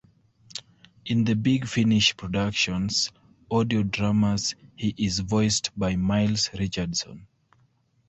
In the Big Finish Productions audio dramas he is voiced by Miles Richardson.